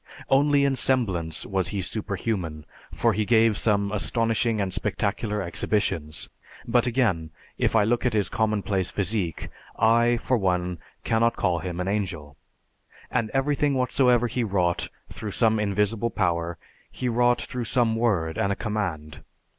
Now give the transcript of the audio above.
Only in semblance was he superhuman for he gave some astonishing and spectacular exhibitions. But again, if I look at his commonplace physique, I, for one, cannot call him an angel. And everything whatsoever he wrought through some invisible power, he wrought through some word and a command.